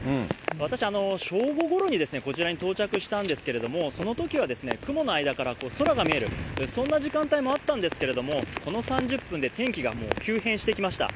私、正午ごろにこちらに到着したんですけれども、そのときは雲の間から空が見える、そんな時間帯もあったんですけれども、この３０分で天気がもう急変してきました。